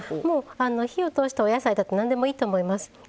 もう火を通したお野菜だと何でもいいと思います。